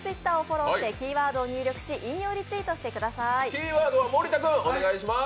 キーワードは森田君、お願いします。